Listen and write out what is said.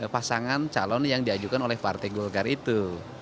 pasangan calon yang diajukan oleh partai golkar itu